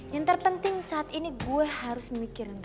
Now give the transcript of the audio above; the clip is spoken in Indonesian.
yang terpenting saat ini gue harus mikirin